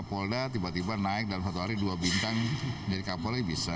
polda tiba tiba naik dalam satu hari dua bintang jadi kapolri bisa